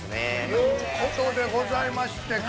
◆ということでございまして。